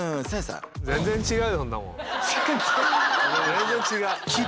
全然違う。